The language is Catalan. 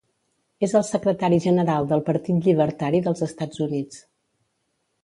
És el Secretari general del Partit Llibertari dels Estats Units.